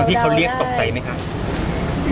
ตอนที่เขาเรียกตกใจไหมคะ